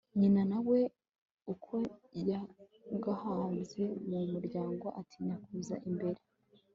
nyina na we uko yagahagaze mu muryango atinya kuza imbere